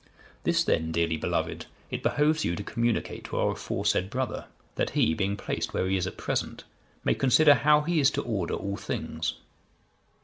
This then, dearly beloved, it behoves you to communicate to our aforesaid brother, that he, being placed where he is at present, may consider how he is to order all things.